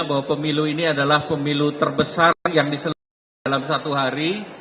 bahwa pemilu ini adalah pemilu terbesar yang diselenggarakan dalam satu hari